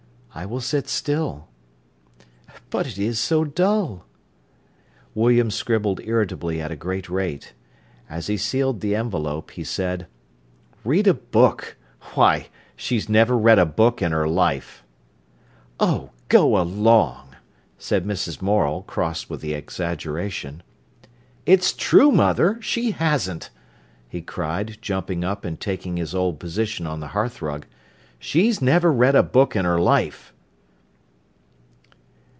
"I will sit still." "But it is so dull." William scribbled irritably at a great rate. As he sealed the envelope he said: "Read a book! Why, she's never read a book in her life." "Oh, go along!" said Mrs. Morel, cross with the exaggeration, "It's true, mother—she hasn't," he cried, jumping up and taking his old position on the hearthrug. "She's never read a book in her life."